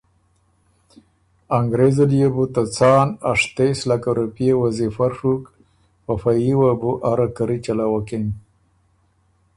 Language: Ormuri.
انګرېز ال يې بو ته څان اشتېس لکه روپئے وظیفۀ ڒُوک په فئ یه وه بُو اره کرّی چلوکِن۔